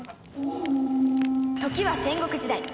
時は戦国時代。